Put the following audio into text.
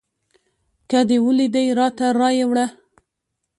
که دې ولیدی راته رایې وړه